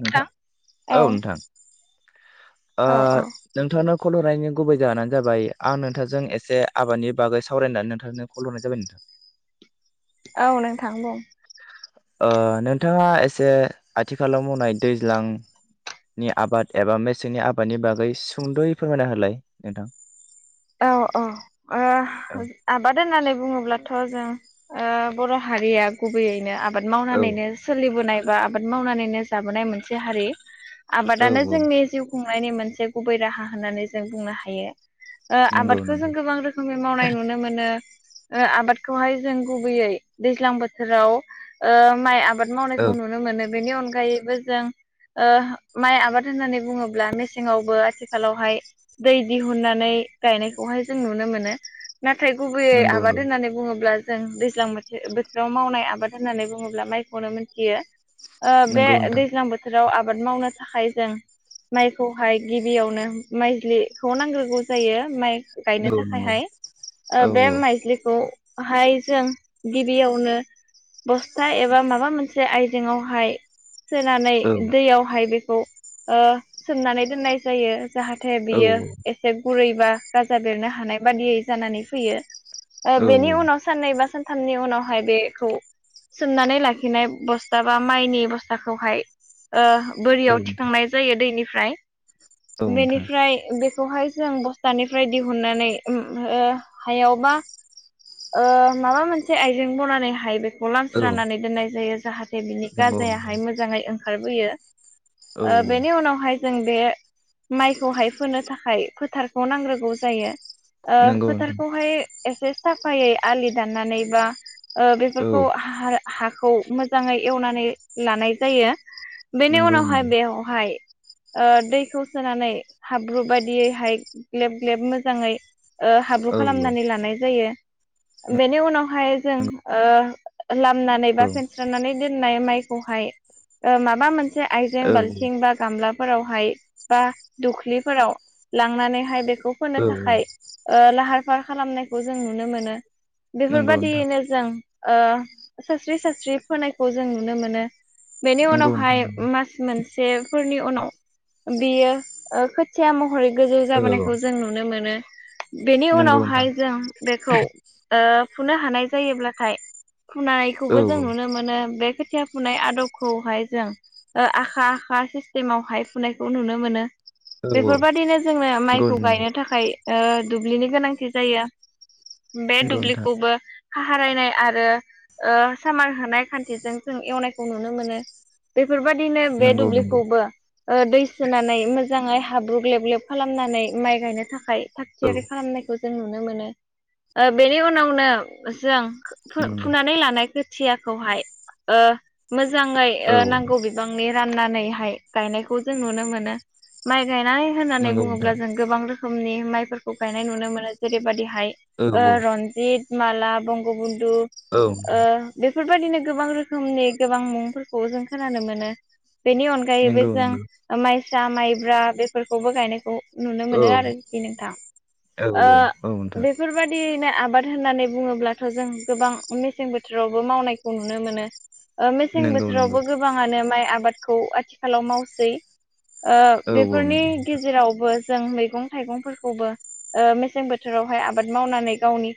नोंथां औ नोंथां ओ औ औ नोंथांनो। खल हरनायनि गुबै जाहोनानो जाबाय आं नोंथांजों एसे आबादनि बागै सावरायनानै नोंथांजों खल हरनाय जाबाय नोंथां। [inaudible] औ नोंथां बुं। ओ नोंथाङा एसे आथिखालाव मावनाय दैज्लां नि आबाद एबा मेसेंनि आबादनि बागै सुंद'यै फोरमायना होलाय नोंथां। औ औ औ ओ आबाद होननानै बुङोब्लाथ' थ जों ओ बर' हारिया गुबैयैनो आबाद औ मावनानैनो सोलिबोनाय। बा आबाद मावनानैनो जाबोनाय मोनसे हारि औ आबादानो औ जोंनि जिउ खुं नायनि मोनसे गुबै राहा होननानै जों बुंनो हायो। ओ नंगौ आबादखौ जों नंगौ गोबां रोखोमनि मावनाय नुनो मोनो। ओ आबादखौहाय जों गुबैयै दैज्लां बोथोराव ओ माइ आबाद आबाद औ मावनायखौ नुनो मोनो बेनि अनगायैबो जों ओ माइ आबाद होननानै बुङोब्ला मेसेङावबो आथिखालावहाय दै दिहुननानै गायनायखौहाय जों नुनो मोनो नाथाय गुबैयै नंगौ आबाद नंगौ होननानै बुङोब्ला जों दैज्लां बोथोर बोथोराव मावनाय आबाद होननानै बुङोब्ला माइखौनो मोनथियो। ओ बे नंगौ नोंथां दैज्लां बोथोराव आबाद मावनो थाखाय जों माइखौहाय गिबियावनो माइजलिखौ नांग्रोगौ जायो माइ गायनो नंगौ नंगौ थाखायहाय औ ओ बे माइज्लिखौ हाय जों गिबियावनो बस्था एबा माबा मोनसे आयजेेंआवहाय सोनानै औ दैयावहाय बेखौ ओ सोमनानै दोननाय जायो। जाहाथे औ बियो एसे गुरै बा गाजा बेरनो हानाय बादियै जानानै फैयो ओ औ बेनि उनाव साननै बा सानथामनि उनावहाय बेखौ सोमनानै लाखिनाय बस्था बा माइनि बस्थाखौहाय ओ औ बोरियाव नोंथां थिखांनाय जायो दैनिफ्राय औ नोंथां बेनिफ्राय बे बेखौहाय जों बस्थानिफ्राय दिहुननानै ओम ओ हायावबा ओ माबा मोनसे आइजें बनानै हाय बे औ खौलामस्रानानै दोननाय जायो जाहाथे बिनि नंगौ नंगौ गाजायाहाय मोजाङै ओंखारबोयो औ ओ बेनि उनावहाय जों बे माइखौहाय फोनो थाखाय फोथार खौ नांग्रोगौ जायो ओ नंगौ नोंथां फोथारखौहाय एसे सफ फायै आलि दाननानै बा ओ औ बेफोरखौ हा हखौ खौ मोजाङै एवनानै लानाय जायो बेनि नंगौ उनावहाय नंगौ बेवहाय ओ दैखौ सोनानै हाब्रु बायदियैहाय ग्लेब ग्लेब मोजाङै ओ हाब्रु औ औ खालामनानै लानाय जायो बेनि उनावहाय जों नंगौ ओ लामनानै बा फेनस्रनानै दोननाय माइखौहाय ओ माबा मोनसे ओ औ आइजें बाल्थिं बा गामलाफोरावहाय बा दुख्लिफोराव लांनानै हाय बेखौ फोनो औ थाखाय ओ लाहार फाहार खालामनायखौ जों नुनो मोनो नंगौ नोंथां बेफोरबायादियैनो जों ओ सास्रि सास्रि फोनायखौ जों नुनो मोनो बेनि नंगौ उनावहाय नोंथां मास मोनसेफोरनि उनाव बियो खोथिया महरै गोजौ औ औ जाबोनायखौ जों नुनो मोनो बेनि नंगौ नोंथां उनावहाय जों बेखौ ओ फुनो हानाय जायोब्लाथाय औ फुनायखौबो जों नुनो मोनो बे खोथिया फुनाय आदबखौहाय जों आखा आखा सिस्टेमावहाय फुनायखौ नुनो मोनो औ औ बेफोरबायदिनो जोंनो नंगौ माइखौ नंगौ गायनो थाखाय ओ दुब्लिनि गोनांथि जायो बे नंगौ नोंथां दुब्लिखौबो खाहारायनाय आरो सामार होनाय खान्थिजों जों एवनायखौ नुनो मोनो बे बेफोरबायदिनो बे नंगौ नंगौ दुब्लिखौबो दै सोनानै मोजां मोजाङै हाब्रु ग्लेब ग्लेब खालामनानै माइ गायनो थाखाय थाग औ थियारि खालामनायखौ जोङो नुनो मोनो ओ बेनि उनावनो जों नंगौ फुनानै लानायखौ खोथियाखौहाय मोजाङै औ नांगौ बिबांनि राननानैहाय गायनायखौ जों नुनो मोनो माइ गायनाय होननानै नंगौ बुङोब्ला नोंथां जों गोबां रोखोमनि माइफोरखौ गायनाय नुनो मोनो जेरैबायदिहाय औ औ रन्जित माला बंग बन्धु औ ओ नोंथां बे बेफोरबायदिनो गोबां रोखोमनि गोबां मुंफोरखौ जों खोनानो मोनो। बेनि अनगायैबो नंगौ जों नंगौ माइसा माइब्रा बेफोरखौबो गायनायखौ, नुनो औ मोनो आरोखि नोंथां औ ओ औ नोंथां बेफोरबायदिनो आबाद, होननानै बुङोब्लाथ' जों गोबां मेसें बोथोरावबो मावनायखौ नुनो मोनो, मेसें नंगौ नंगौ बोथोरावबो गोबाङानो माइ आबादखौ आथिखालाव मावसै, ओ औ औ बेफोरनि गेजेरावबो जों मैगं थाइगंफोरखौबो मेसें बोथोरावहाय आबाद मावनानै गावनि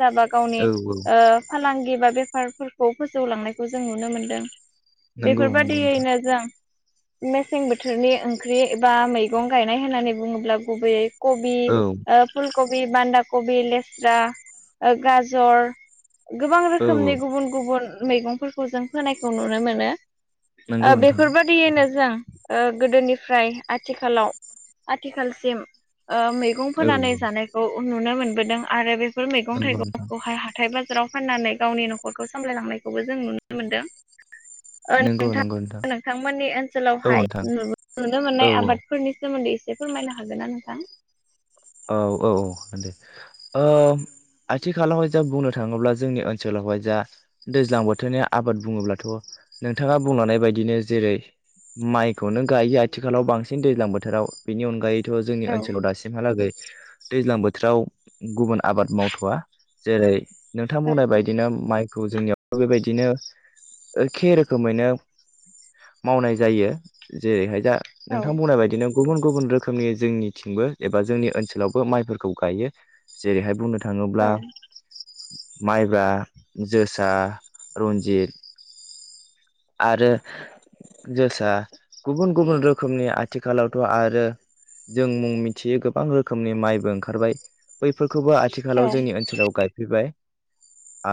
जाबा गावनि फालांगि बा बेफारफोरखौ फोजौलांनायखौ जों नुनो मोनदों, नंगौ बेफोर नोंथां बायदियैनो जों मेसें बोथोरनि ओंख्रि एबा मैगं गायनाय होननानै बुङोब्ला गुबैयै, कबि औ नंगौ नोंथां औ फुलकबि बान्दा कबि लेस्रा गाजर, गोबां औ औ रोखोमनि गुबुन गुबुन मैगंफोरखौ जों होनायखौ नुनो मोनो नंगौ नोंथां बेफोरबादियैनो जों गोदोनिफ्राय आथिखालाव, आथिखालसिम ओ मैगं औ फोनानै औ जानायखौ नुनो मोनबोदों आरो बे बेफोर मैगं नंगौ थाइगं नोंथां खौहाय हाथाय बा बाजाराव फाननानै गावनि न'खरखौ सामलायलांनायखौबो जों नुनो मोनदों, ओ नंगौ नोंथां नंगौ नोंथां नोंथांमोननि औ ओनसोलावहाय नोंथां नुनो औ मोननाय आबादफोरनि सोमोन्दै एसे फोरमायनो हागोन ना नोंथां? औ औ औ दे ओ आथिखालावहाय जों बुंनो थाङोब्ला जोंनि ओनसोल जा दैज्लां बोथोरनि आबाद बुङोब्लाथ' नोंथाङा बुंलांनाय बायदिनो जेरै माइखौनो गायो आथिखालाव बांसिन दैज्लां बोथोराव बेनि अनगायैथ' जोंनि औ ओनसोलाव दासिमहालागै, दैज्लां बोथोराव गुबुन आबाद मावथ'वा जेरै नोंथां औ बुंनाय बायदिनो माइ, जोंनियाव बेबायदिनो एखे रोखोमैनो, मावनाय जायो जेरैहाय दा, औ नोंथां बुंनाय बायदिनो गुबुन गुबुन रोखोमनि जोंनिथिंबो एबा जोंनि ओनसोल ओनसोलावबो माइफोरखौ गायो जेरैहाय बुंनो, थाङोब्ला औ माइब्रा जोसा रन्जित आरो जोसा गुबुन गुबुन रोखोमनि आथिखालावथ' आरो जों मुं मिथियो गोबां रोखोमनि माइबो ओंखारबाय बैफोरखौबो आथिखालाव जोंनि ओनसोलाव गायफैबाय आ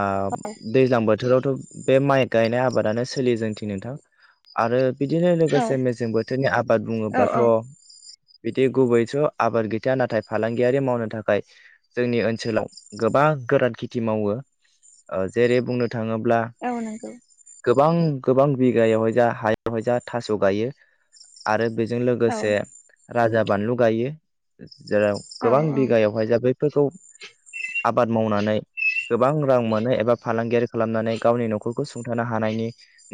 दैज्लां बोथोरावथ' बे माइ गायनाय आबादानो, सोलि जोंनिथिं नोंथां आरो बिदिनो औ लोगोसे मेसें बोथोरनि आबाद औ बुङोब्लाथ' औ बिदि गुबैस' आबाद गैथा नाथाय फालांगियारि मावनो थाखाय जोंनि ओनसोलाव गोबां, बा गोरान खेथि मावो जेरै बुंनो थाङोब्ला, औ नंगौ गोबां गोबां बिगायावहाय जा हायावहाय जा थास' गायो आरो बे जों औ लोगोसे राजा बानलु गायो जेराव औ गोबां औ बिघायावहाय जा बे फोरखौ आबाद मावनानै गोबां रां मोनो एबा फालांगियारि खालामनानै गावनि न'खरखौ सुंथानो हानायनि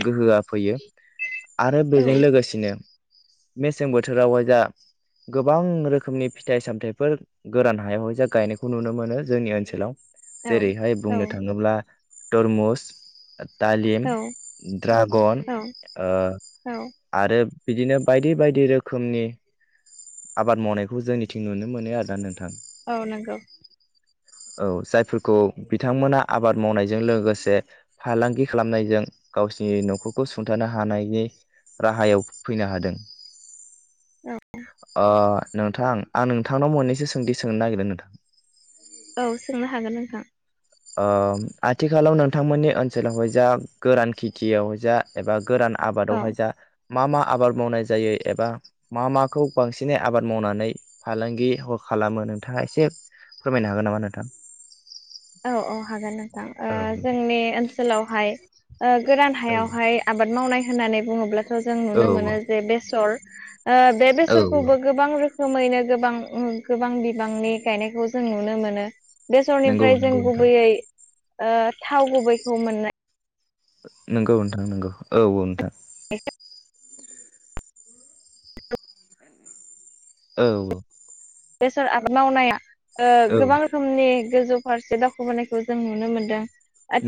गोहोआ, फैयो आरो औ बेजों लोगोसेनो मेसें बोथोरावहाय जा, गोबां रोखोमनि फिथाइ सामथायाइफोर गोरान हायावहाय जा गायनायखौ नुनो मोनो जोंनि ओनसोलाव, औ जेरैहाय बुंनो थाङोब्ला तरमुस दालिम, औ ड्रागन औ ओ औ आरो बिदिनो बायदि बायदि रोखोमनि आबाद मावनायखौ जोंनिथिं नुनो मोनो आरोना नोंथां औ नंगौ औ जायफोरखौ बिथांमोना आबाद मावनायजों लोगोसे फालांगि खालामनायजों, गावसिनि न'खरखौ सुंथानो हानायनि राहायाव फैनो हादों, औ ओ- नोंथां आं नोंथांनाव मोनननैसो सोंथि सोंनो नागिरदों नोंथां। औ सोंनो हागोन नोंथां। ओ-आथिखालाव नोंथांमोननि ओनसोलावहाय जा गोरान खेथियाव जा एबा गोरान औ आबादावहाय जा। मा मा आबाद मावनाय जायो एबा मा माखौ बांसिनै आबाद मावनानै फालांगि हख खालामो नोंथाङा एसे फोरमायनो हागोन नामा नोंथां। औ औ हागोन नोंथां औ ओ-जोंनि ओनसोलावहाय। ओ-गोरान औ हायावहाय आबाद मावनाय होननानै बुङोब्लाथ जों औ नुनो मोनो जे बेसर। ओ-बे औ बेसरखौबो गोबां रोखो रोखोमैनो गोबां गोबां बिबांनि गायनायखौ जों नुनो मोनो बे नंगौ ओमफ्राय जों नंगौ नोंथां गुबैयै ओ-थाव गुबैखौ मोननाय नंगौ नोंथां नंगौ औ औ नोंथां। [unintelligible] औ औ बेसोर आबाद मावनाया औ गोबां ओ-रोखोमनि‌। गोजौ फारसे दावाखबोनायखौ जों नुनो मोनदों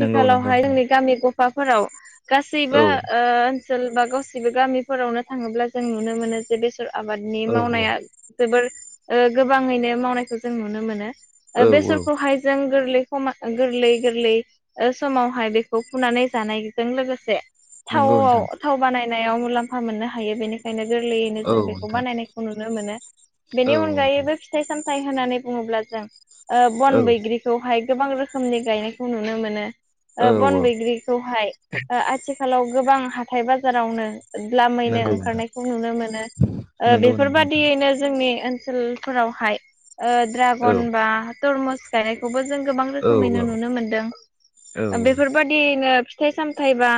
नंगौ नंगौ नोंथां जोंनि गामि गफाफोराव। गासैबो औ ओ-ओनसोल बा गासैबो गामिफोरावनो थाङोब्ला जों नुनो मोनो जे बेस आबादनि औ मावनाया जोबोर गोबाङैनो मावनायखौ जों नुनो मोनो। औ औ बेसरखौहाय जों गोरलै। सम गोरलै गोरलै समावहाय बेखौ फुनानै जानायजों लोगोसे। थाव नंगौ नोंथां थाव बानायनायाव मुलाम्फा मोननो हायो बेनिखायनो। गोरलैयैनो औ जों बेखौ नोंथां बानायनायखौ नुनो मोनो बेनि औ अनगायैबो फिथाइ सामथाइ। होननानै बुङोब्ला जों औ बन बैग्रिखौहाय गोबां रोखोमनि गायनायखौ नुनो मोनो। औ ओ-बन औ बैग्रिखौहाय ओ-आथिखालाव गोबां हाथथाय बाजारावनो। मैनो नंगौ नोंथां ओंखारनायखौ नुनो मोनो नंगौ नंगौ नोंथां ओ-बेफोरबायादियैनो जोंनि सोल फोरावहाय औ ओ-ड्रागन बा तरमुस गायनायखौबो। जों गोबां औ रोखोमैनो औ नुनो मोनदों औ बेफोरबायादिनो। फिथाइ सामथायाइ बा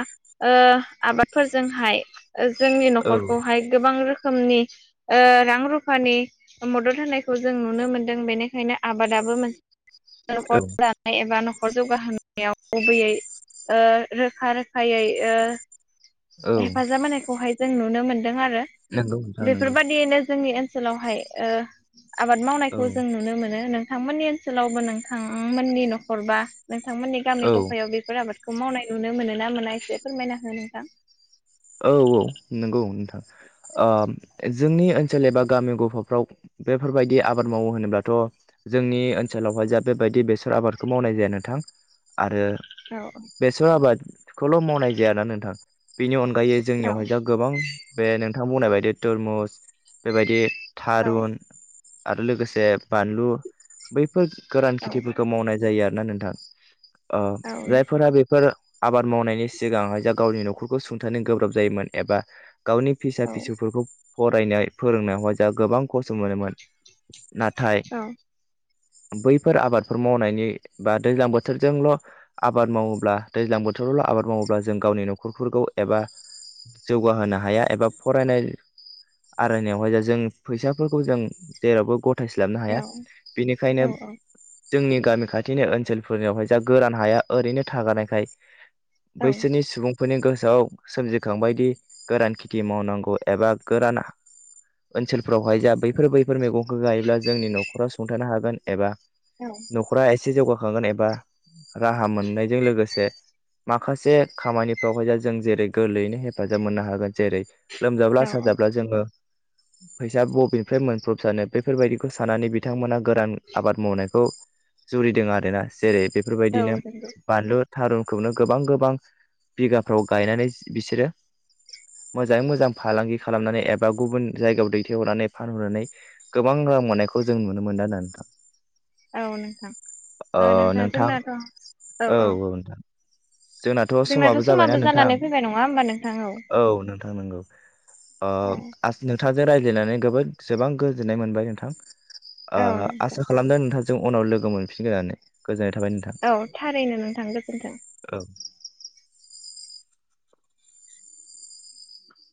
ओ-आबादफोरजोंहाय। ओ-जोंनि नखरखौहाय गोबां रोखोमनि ओ-रां रुफानि मदद होनायखौ जों नुनो मोनदों बेनिखायनो आबादाबो मोन [unintelligible] औ जौगाहोनायाव गुबैयै ओ-रोखा रोखायै ओ औ हेफाजाब होनायखौहाय जों नुनो मोनदों आरो नंगौ नोंथां नंगौ बेफोरबायदियैनो जोंनि ओन ओनसोलावहाय ओ-आबाद औ मावनायखौ जों नुनो मोनो नो। नोंथांमोननि ओनसोलावबो नोंथांमोननि नखर बा नोंथांमोननि गामि औ गफायाव बेफोर आबादखौ। खौ मावनाय नुनो मोनो ना मोना एसे फोरमायना हो नोंथां? औ औ नंगौ नोंथां ओब-जोंनि ओनसोल एबा गामि गफाफ्राव बेफोरबायदि आबाद मावो होनोब्लाथ जोंनि ओनसोलावहाय जा बेबायदि बेसर आबादखौ मावनाय जाया नोंथां। थां आरो औ बेसर आबादखौल मावनाय जायाना नोंथां बेनि अन ओंखायै औ जोंनियावहाय जा गोबां बे नोंथां बुंनाय बायदि तरमुस बेबायदि। औ थारुन आरो लोगोसे बानलु बैफोर गोरान औ खेथिफोरखौ मावनाय। जायो आरोना नोंथां औ ओ-जायफोरा बेफोर आबाद मावनायनि सिगांहाय जा गावनि नखरखौ सुंथारानो गोब्राब जायोमोन एबा गावनि फिसा औ फिसौफोरखौ फरायनाय फोरोंनायावहाय जों गोबां खस्थ मोनोमोन। नाथाय बैफोर आबादफोर मावनायनि बा दैज्लां बोथोरजोंल आबाद मावोब्ला दैज्लां बो बोथोराव आबाद मावोब्ला जों गावनि नखरफोरखौ। एबा जौगाहोनो हाया एबा फरायनाय। आरनायावहाय जों फैसाफोरखौ जों जेरावबो गथ गथायस्लाबनो हाया औ नंगौ औ बेनिखायनो जोंनि गामि खाथिनि ओनसोलफोरनियावहाय जा गोरान हाया ओरैनो थागारनायखाय बैसोनि सुबुंफोरनि गोसोआव सोमजिखांबायदि गोरान खेथि मावनांगौ एबा गोराना ओनसोलफोरावहाय जा बैफोर बै मैगंखौ गायोब्ला जोंनि न'खराव सुंथानो हागोन एबा न' ए एसे जौगाखांगोन एबा राहा मोननायजों लोगोसे माखासे खामानिफ्रावहाय जा जों जेरै गोरलैयैनो हेफाजाब मोननो हागोन जेरै- लोमजाब्ला साजाब्ला जोङो फैसा बबेनिफ्राय मोनफ्रबसानो बेफोरबायदिखौ सानानानै बिथांमोना गोरान आबाद मावनायखौ जुरिदों आरोना जेरै औ बेफोरबायदिनो बानलुर थारुनखौनो गोबां गोबां बिगाफ्राव गायनानै बिसोरो मोजाङै मोजां फालांगि खालामनानै एबा गुबुन जायगायाव दैथायहरनानै फानहरनानै गोबां फोर हनायखौ जों नुनो मोनदों नोंथां। औ नोंथां ओ नोंथां औ औ नोंथां। जोंनाथ' समाबो जाबायना नों खानानै फैबाय नङा हबा नोंथां औ। औ नोंथां नंगौ। ओ औ नोंथांजों रायज्लायनानैबो गोबां गोजोननाय मोनबाय नोंथां। औ आसा खालामदों नोंथांजों उनाव लोगो मोनफिनगोननानै गोजोननाय। थाबाय नोंथां औ थारैनो नोंथां गोजोन्थों। औ